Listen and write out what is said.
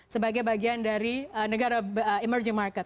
sebagai bagian dari negara emerging market